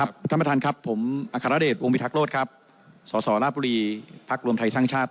ผมอาคาราเดชวงวิทักโลฯสหราภุรีพรรดิภักดิ์รวมไทยสร้างชาติ